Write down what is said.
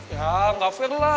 ya nggak fair lah